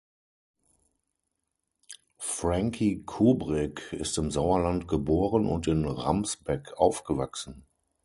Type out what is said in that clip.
Franky Kubrick ist im Sauerland geboren und in Ramsbeck aufgewachsen.